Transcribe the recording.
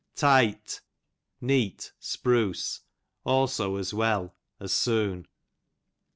Tite, neat, spruce ; also as well, as soon.